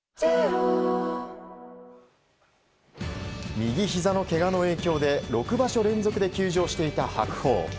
右ひざのけがの影響で６場所連続で休場していた白鵬。